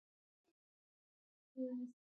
ګټه اخیستنه کله پیلیږي؟